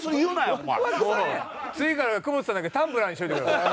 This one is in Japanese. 次からは久保田さんだけタンブラーにしといてください。